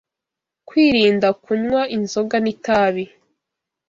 kwirinda kunywa inzoga n’itabi